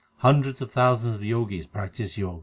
Hundreds of thousands of Jogis practise Jog.